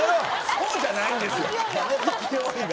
そうじゃないんですよ勢いが。